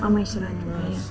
mama istirahat juga ya